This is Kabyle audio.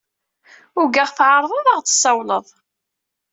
Ugaɣ tɛerḍeḍ ad ɣ-d-sawleḍ.